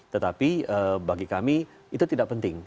tetapi bagi kami itu tidak penting